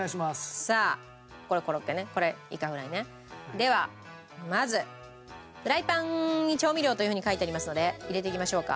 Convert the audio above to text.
ではまずフライパンに調味料というふうに書いてありますので入れていきましょうか。